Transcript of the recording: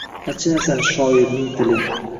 Аchinasan, shoirning tili –